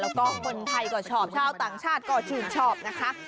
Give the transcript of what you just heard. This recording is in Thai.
แล้วก็คนไทยก็ชอบชาวต่างชาติก็ชื่นชอบนะคะ